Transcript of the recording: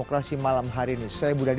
kita sehari winter